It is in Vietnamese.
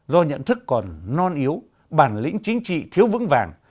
do nhận thức còn non yếu bản lĩnh chính trị thiếu vững vàng